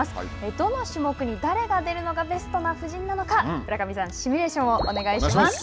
どの種目に誰が出るのがベストな布陣なのか村上さん、シミュレーションをお願いします。